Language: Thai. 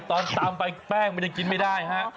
ตอนตำไปแป้งมันยังกินไม่ได้ฮะ